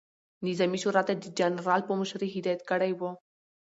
نظامي شورا ته د جنرال په مشري هدایت کړی ؤ،